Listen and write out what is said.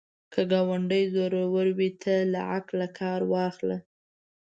که ګاونډی زورور وي، ته له عقل کار واخله